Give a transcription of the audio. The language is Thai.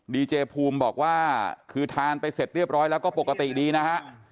ดีเจภูมิบอกว่าคือทานไปเสร็จเรียบร้อยแล้วก็ปกติดีนะฮะ